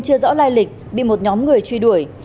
chưa rõ lai lịch bị một nhóm người truy đuổi